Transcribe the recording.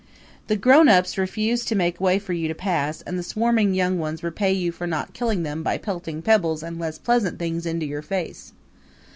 The grown ups refuse to make way for you to pass and the swarming young ones repay you for not killing them by pelting pebbles and less pleasant things into your face.